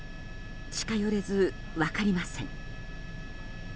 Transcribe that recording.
近寄れず、分かりません。